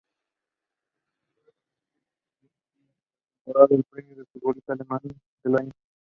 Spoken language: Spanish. Gerd Müller se llevaría esa temporada el premio al futbolista alemán del año.